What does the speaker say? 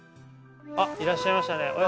いらっしゃいましたね。